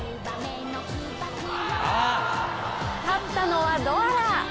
勝ったのはドアラ！